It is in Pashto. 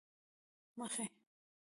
مخې،